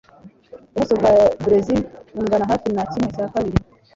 Ubuso bwa Burezili bungana hafi na kimwe cya kabiri